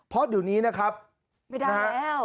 เพราะเดี๋ยวนี้นะครับไม่ได้นะฮะ